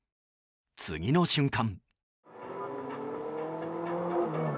次の瞬間。